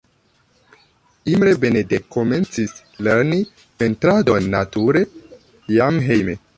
Imre Benedek komencis lerni pentradon nature jam hejme.